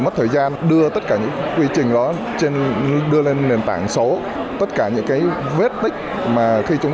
mất thời gian đưa tất cả những quy trình đó đưa lên nền tảng số tất cả những cái vết tích mà khi chúng